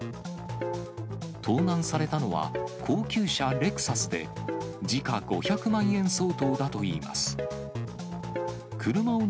盗難されたのは、高級車レクサスで、時価５００万円相当だといいます。